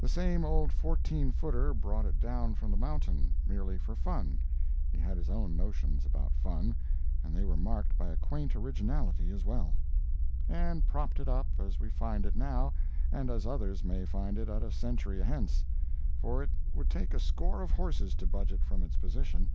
The same old fourteen footer brought it down from the mountain, merely for fun (he had his own notions about fun, and they were marked by a quaint originality, as well), and propped it up as we find it now and as others may find it at a century hence, for it would take a score of horses to budge it from its position.